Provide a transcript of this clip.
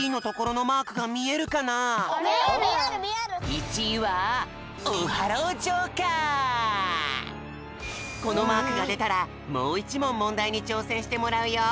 １いはこのマークがでたらもう１もんもんだいにちょうせんしてもらうよ。